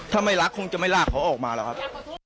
ถ้าไม่รักคงจะไม่ลากเขาออกมาหรอกครับ